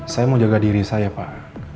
saya mau jaga diri saya pak